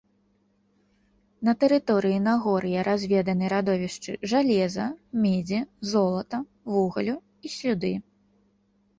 На тэрыторыі нагор'я разведаны радовішчы жалеза, медзі, золата, вугалю і слюды.